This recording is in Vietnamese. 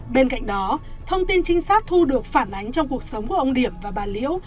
bên cạnh đó thông tin trinh sát thu được phản ánh trong cuộc sống của ông điểm và bà liễu